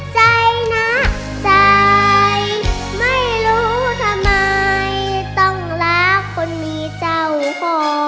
ใจนะสายไม่รู้ทำไมต้องรักคนมีเจ้าพ่อ